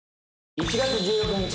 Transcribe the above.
１月１６日。